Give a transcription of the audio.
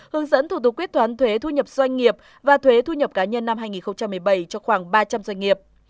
hướng dẫn thủ tục quyết toán thuế thu nhập doanh nghiệp và thuế thu nhập cá nhân năm hai nghìn một mươi bảy cho khoảng ba trăm linh doanh nghiệp